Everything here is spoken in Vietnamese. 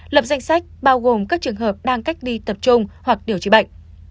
lập danh sách bao gồm các trường hợp đang cách ly tập trung hoặc điều trị bệnh